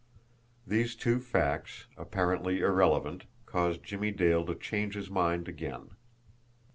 These two facts, apparently irrelevant, caused Jimmie Dale to change his mind again.